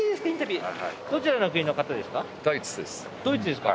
どちらの国の方ですか？